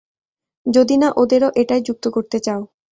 যদি না ওদেরও এটায় যুক্ত করতে চাও।